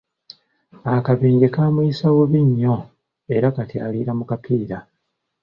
Akabenje kaamuyisa bubi nnyo era kati aliira mu kapiira.